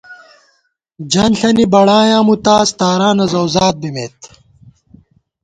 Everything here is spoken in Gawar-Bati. جنݪَنی بڑایاں مُوتاز ، تارانہ زؤزات بِمېت